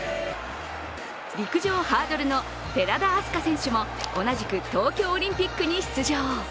陸上、ハードルの寺田明日香選手も同じく東京オリンピックに出場。